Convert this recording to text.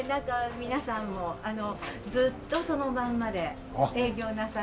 皆さんもずっとそのまんまで営業なさってるので。